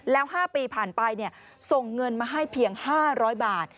แล้ว๕ปีผ่านไปส่งเงินมาให้เพียง๕๐๐บาท